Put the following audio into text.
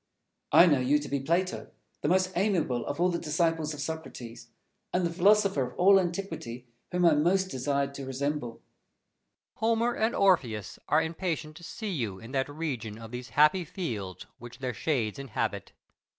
Fenelon. I know you to be Plato, the most amiable of all the disciples of Socrates, and the philosopher of all antiquity whom I most desired to resemble. Plato. Homer and Orpheus are impatient to see you in that region of these happy fields which their shades inhabit.